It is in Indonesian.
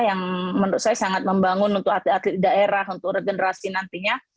yang sangat membangun atlet daerah untuk regenerasi nantinya